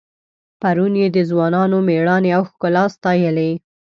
پرون یې د ځوانانو میړانې او ښکلا ستایلې.